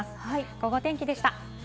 ゴゴ天気でした。